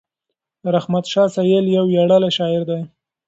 رحمت شاه سایل یو ویاړلی شاعر دی.